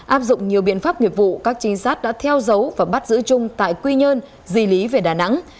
áp dụng nhiều biện pháp nghiệp vụ các trinh sát đã theo dấu và bắt giữ trung tại quy nhơn di lý về đà nẵng